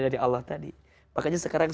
dari allah tadi makanya sekarang